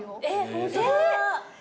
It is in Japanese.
ホントだ。